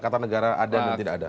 kata negara ada dan tidak ada